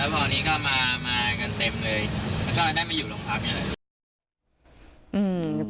แล้วก็ให้แม่ไม่อยู่ลงครับ